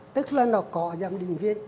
tức là nó có giám định viên